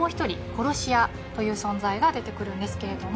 殺し屋という存在が出てくるんですけれども。